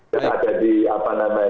yang ada di apa namanya